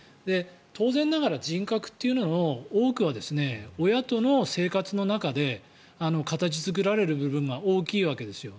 当然ながら人格というのの多くは親との生活の中で形作られる部分が大きいわけですよ。